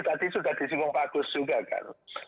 tadi sudah disinggung pak agus juga kan